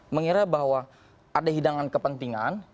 mengira bahwa ada hidangan kepentingan